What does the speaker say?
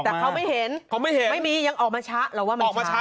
ออกมาแต่เขาไม่เห็นไม่มียังออกมาช้าเราว่ามันช้า